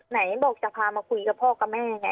ไหนบอกจะพามาคุยกับพ่อกับแม่ไง